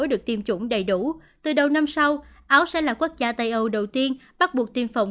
được tiêm chủng đầy đủ từ đầu năm sau áo sẽ là quốc gia tây âu đầu tiên bắt buộc tiêm phòng